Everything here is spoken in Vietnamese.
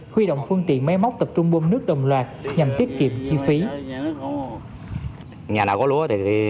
huy động phương tiện máy móc tập trung bơm nước đồng loạt nhằm tiết kiệm chi phí